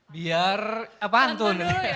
biar apaan tuh